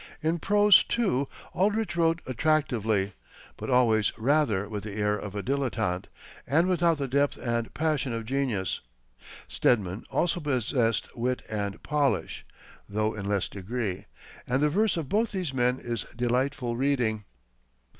In prose, too, Aldrich wrote attractively, but always rather with the air of a dilettante, and without the depth and passion of genius. Stedman also possessed wit and polish, though in less degree, and the verse of both these men is delightful reading.